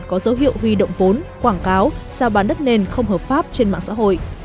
có dấu hiệu huy động vốn quảng cáo sao bán đất nền không hợp pháp trên mạng xã hội